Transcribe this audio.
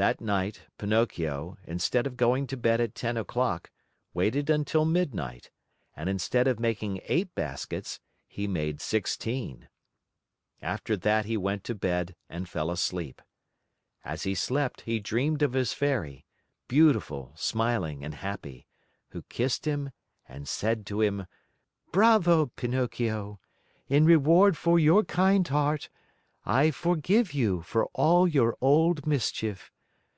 That night, Pinocchio, instead of going to bed at ten o'clock waited until midnight, and instead of making eight baskets, he made sixteen. After that he went to bed and fell asleep. As he slept, he dreamed of his Fairy, beautiful, smiling, and happy, who kissed him and said to him, "Bravo, Pinocchio! In reward for your kind heart, I forgive you for all your old mischief.